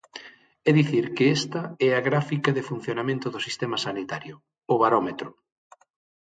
E dicir que esta é a gráfica de funcionamento do sistema sanitario, o barómetro.